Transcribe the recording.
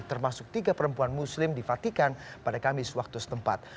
termasuk tiga perempuan muslim di fatikan pada kamis waktu setempat